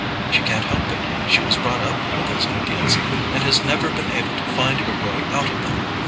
She can't help it—she was brought up with those ideas, and has never been able to find her way out of them.